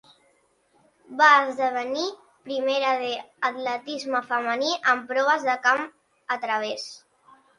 Va esdevenir primera de l'atletisme femení en proves de camp a través.